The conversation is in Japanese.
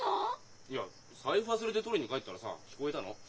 いや財布忘れて取りに帰ったらさ聞こえたの。